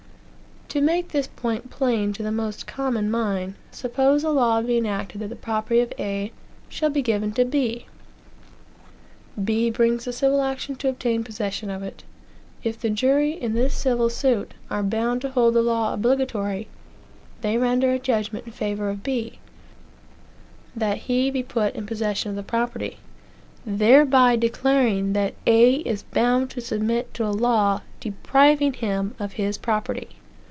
To make this point plain to the most common mind suppose a law be enacted that the property of A shall be given to B. B brings a civil action to obtain possession of it. If the jury, in this civil suit, are bound to hold the law obligatory, they render a judgment in favor of B, that he be put in possession of the property; thereby declaring that A is bound to submit to a law depriving him of his property.